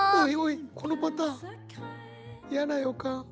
このパターン嫌な予感。